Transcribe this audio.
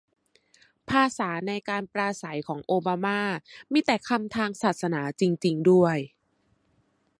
ภาษาในการปราศรัยของโอบาม่า มีแต่คำทางศาสนาจริงด้วย